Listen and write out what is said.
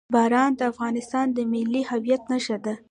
باران د افغانستان د ملي هویت نښه ده.